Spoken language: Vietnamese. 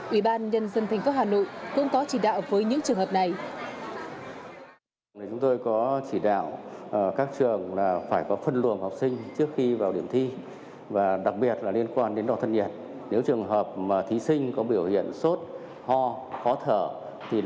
ủy ban nhân dân thành phố hà nội cũng có chỉ đạo với những trường hợp này